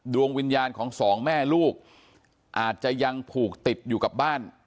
ดวงวิญญาณของสองแม่ลูกอาจจะยังผูกติดอยู่กับบ้าน